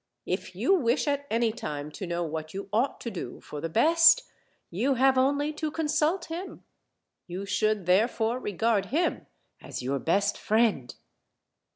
If you wish at any time to know what you ought to do for the best, you have only to consult him; you should therefore re gard him as your best friend."